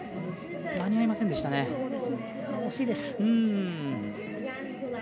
惜しいです。